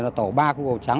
là tổ ba khu cầu trắng